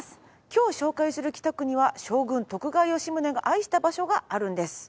今日紹介する北区には将軍徳川吉宗が愛した場所があるんです。